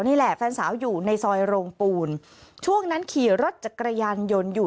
นี่แหละแฟนสาวอยู่ในซอยโรงปูนช่วงนั้นขี่รถจักรยานยนต์อยู่